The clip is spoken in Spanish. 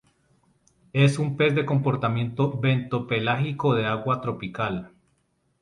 Es un pez de comportamiento bentopelágico de agua tropical.